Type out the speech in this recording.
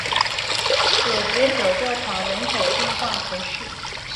戈捷小教堂人口变化图示